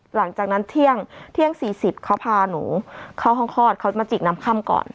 หลังจากนั้นเที่ยง๔๐เขาพาหนูเข้าห้องคลอดเขาจะมาจิกน้ำค่ำก่อน